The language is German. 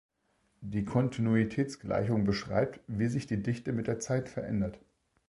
Die Kontinuitätsgleichung beschreibt, wie sich die Dichte mit der Zeit verändert.